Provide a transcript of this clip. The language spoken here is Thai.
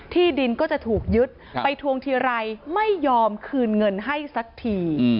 ที่ดินก็จะถูกยึดไปทวงทีไรไม่ยอมคืนเงินให้สักที